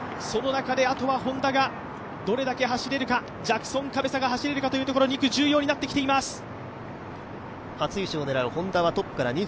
その中であとはＨｏｎｄａがどれだけ走れるか、ジャクソン・カベサが走れるかというところ、２区重要になってきています。